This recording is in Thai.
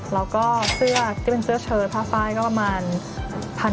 แล้วก็เสื้อที่เป็นเสื้อเชิดพาไฟก็ประมาณ๓พันกว่าบาท